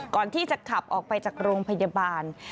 ก่อนที่จะขับออกไปจากโรงพยาบาล